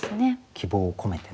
希望を込めてね。